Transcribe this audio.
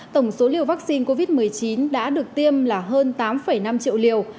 tổng số liều vaccine covid một mươi chín đã được tiêm là hơn tám năm triệu liều